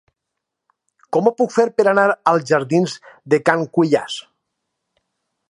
Com ho puc fer per anar als jardins de Can Cuiàs?